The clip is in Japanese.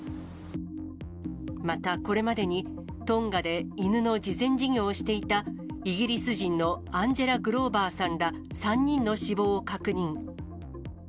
またこれまでに、トンガで犬の慈善事業をしていたイギリス人のアンジェラ・グローバーさんら３人の死亡を確認。